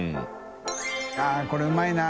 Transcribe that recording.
◆舛これうまいな。